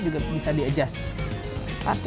juga bisa di adjust